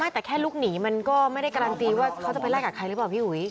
แต่แค่ลุกหนีมันก็ไม่ได้การันตีว่าเขาจะไปไล่กัดใครหรือเปล่าพี่อุ๋ย